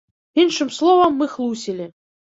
Іншым словам, мы хлусілі.